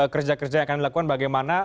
kerja kerja yang akan dilakukan bagaimana